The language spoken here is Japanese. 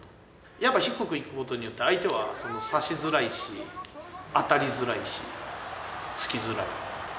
やっぱ低くいくことによって相手は差しづらいし当たりづらいし突きづらい。